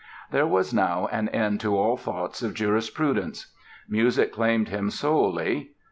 There was now an end to all thoughts of jurisprudence. Music claimed him solely.